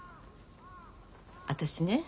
私ね